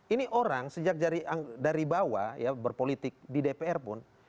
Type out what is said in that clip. ini orang sejak dari bawah ya berpolitik di dpr pun